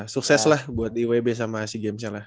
sukses lah buat iwb sama si gamesnya lah